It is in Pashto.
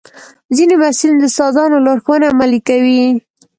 ځینې محصلین د استادانو لارښوونې عملي کوي.